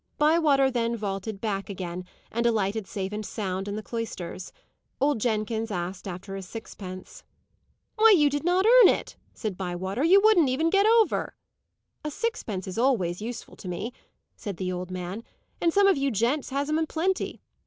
Bywater then vaulted back again, and alighted safe and sound in the cloisters. Old Jenkins asked for his sixpence. "Why, you did not earn it!" said Bywater. "You wouldn't get over!" "A sixpence is always useful to me," said the old man; "and some of you gents has 'em in plenty.